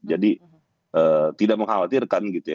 jadi tidak mengkhawatirkan gitu ya